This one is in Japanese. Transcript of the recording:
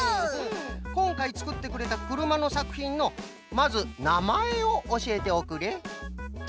こんかいつくってくれたくるまのさくひんのまずなまえをおしえておくれ。